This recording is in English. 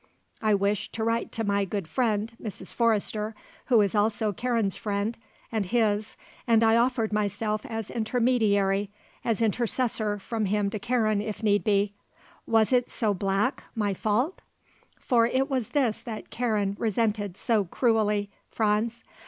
I wished to write to my good friend Mrs. Forrester who is also Karen's friend, and his, and I offered myself as intermediary, as intercessor from him to Karen, if need be. Was it so black, my fault? For it was this that Karen resented so cruelly, Franz.